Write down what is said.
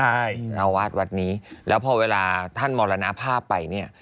ใช่เจ้าอาวาสวัดนี้แล้วพอเวลาท่านมรณภาพไปเนี่ย